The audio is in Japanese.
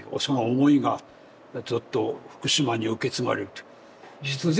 その思いがずっと福島に受け継がれるという。